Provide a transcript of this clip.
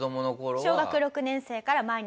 小学６年生から毎日。